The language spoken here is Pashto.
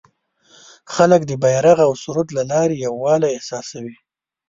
خلک د بیرغ او سرود له لارې یووالی احساسوي.